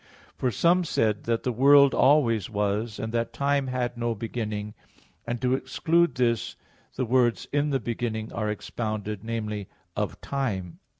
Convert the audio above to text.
For some said that the world always was, and that time had no beginning; and to exclude this the words "In the beginning" are expounded viz. "of time."